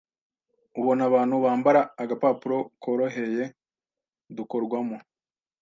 ubona abantu bambara, agapapuro korohereye dukorwamo